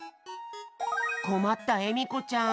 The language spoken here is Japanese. こまったえみこちゃん。